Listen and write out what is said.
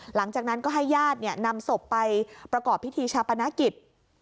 หลังจากนั้นก็ให้ญาตินำศพไปประกอบพิธีชาปนกิจ